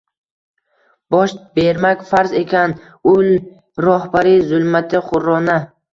Dosh bermak farz erkan ul rohbari-zulmati-xurrona